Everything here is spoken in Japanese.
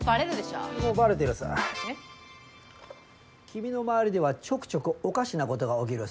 君の周りではちょくちょくおかしなことが起きる。